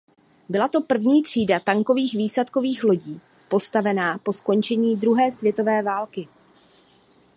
Byla to první třída tankových výsadkových lodí postavená po skončení druhé světové války.